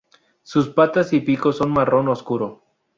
Sus patas y pico son marrón oscuro.